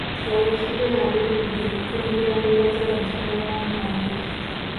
Kaweefube aluubirira okutumbula mbeera z'abantu mwe bawangaalira.